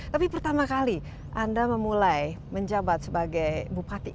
tapi pertama kali anda memulai menjabat sebagai bupati